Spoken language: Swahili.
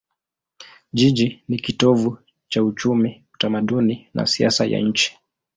Jiji ni kitovu cha uchumi, utamaduni na siasa ya nchi.